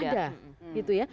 cyber bullying itu ada